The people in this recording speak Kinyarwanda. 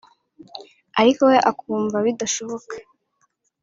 ariko we akumva bidashoboka